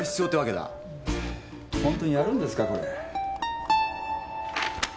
ホントにやるんですかこれ？